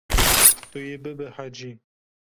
Tu yê bibehecî.